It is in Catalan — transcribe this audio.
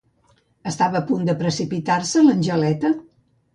Estava a punt de precipitar-se l'Angeleta?